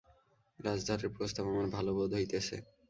রাজধরের প্রস্তাব আমার ভালো বোধ হইতেছে।